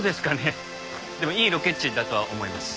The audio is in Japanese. でもいいロケ地だとは思います。